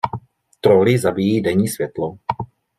Troly zabíjí denní světlo.